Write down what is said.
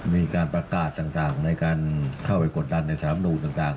มีการประกาศต่างในการเข้าไปกดดันในสามนูนต่าง